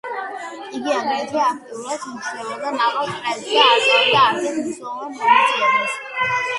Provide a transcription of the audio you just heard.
იგი აგრეთვე აქტიურად ჩნდებოდა მაღალ წრეებში და არ ტოვებდა არცერთ მნიშვნელოვან ღონისძიებას.